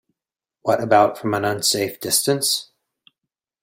What about from an unsafe distance?